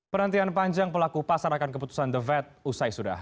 penantian panjang pelaku pasar akan keputusan the fed usai sudah